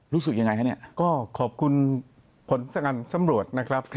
รู้สึกยังไงคะเนี่ยก็ขอบคุณผลสงการสำรวจนะครับ